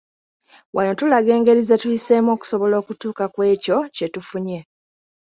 Wano tulaga engeri ze tuyiseemu okusobola okutuuka ku ekyo kye tufunye.